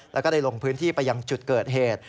แล้วก็ได้ลงพื้นที่ไปยังจุดเกิดเหตุ